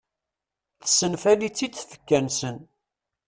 Tessenfali-tt-id tfekka-nsen.